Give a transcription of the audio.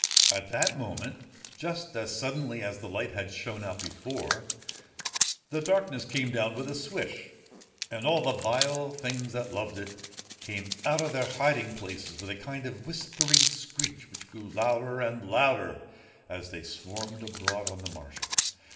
At that moment, just as suddenly as the light had shone out before, the darkness came down with a swish, and all the vile things that loved it came out of their hiding places with a kind of whispering screech which grew louder and louder as they swarmed abroad on the marshes.